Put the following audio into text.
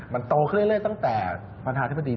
มันโตขึ้นเรื่อยตั้งแต่ประธานาธิบดี